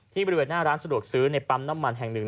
บริเวณหน้าร้านสะดวกซื้อในปั๊มน้ำมันแห่งหนึ่ง